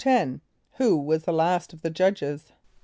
= =10.= Who was the last of the judges?